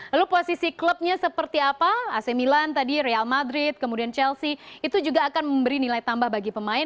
lalu posisi klubnya seperti apa ac milan tadi real madrid kemudian chelsea itu juga akan memberi nilai tambah bagi pemain